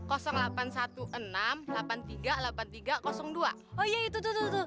oh iya itu itu itu itu